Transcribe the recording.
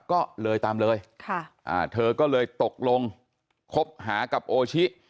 ก็เลยตามเลยเธอก็เลยตกลงคบหากับโอชิ